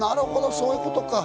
そういうことか。